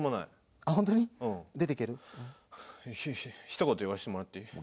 ひと言言わしてもらっていい？